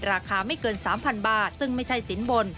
ราคาไม่เกิน๓๐๐๐บาทซึ่งไม่ใช่สินบน